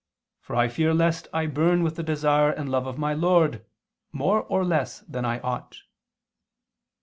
For I fear lest I burn with the desire and love of my Lord, more or less than I ought."